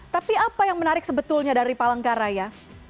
tapi apa yang menarik sebetulnya dari palangkaraya